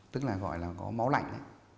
tức là gọi là có máu lạnh